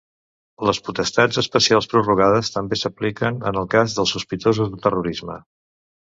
Les potestats especials prorrogades també s'apliquen en el cas dels sospitosos de terrorisme.